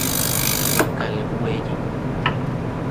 Nokal ueyi.